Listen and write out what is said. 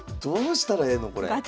どうしたらええのこれ。